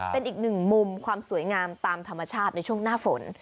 เป็นอีกหนึ่งมุมความสวยงามตามธรรมชาติในช่วงหน้าฝน